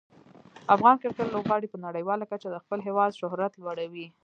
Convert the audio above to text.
افغان کرکټ لوبغاړي په نړیواله کچه د خپل هیواد شهرت لوړوي.